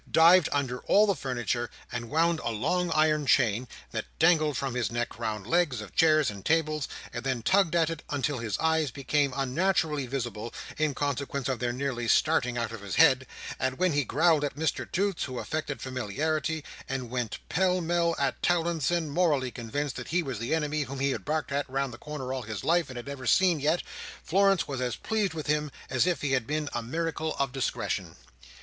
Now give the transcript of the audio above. dived under all the furniture, and wound a long iron chain, that dangled from his neck, round legs of chairs and tables, and then tugged at it until his eyes became unnaturally visible, in consequence of their nearly starting out of his head; and when he growled at Mr Toots, who affected familiarity; and went pell mell at Towlinson, morally convinced that he was the enemy whom he had barked at round the corner all his life and had never seen yet; Florence was as pleased with him as if he had been a miracle of discretion.